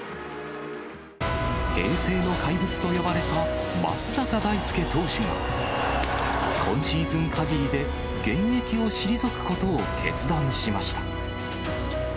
平成の怪物と呼ばれた松坂大輔投手が、今シーズンかぎりで現役を退くことを決断しました。